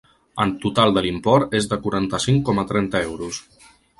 El total de l'import és de quaranta-cinc coma trenta euros.